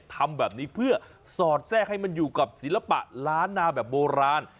ทำแบบนี้เพื่อสอดแทรกให้มันอยู่กับศิลปะล้านนาแบบโบราณ